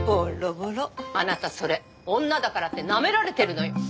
あなたそれ女だからってなめられてるのよ。